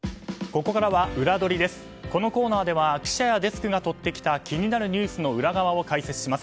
このコーナーでは記者やデスクが取ってきた気になるニュースの裏側を解説します。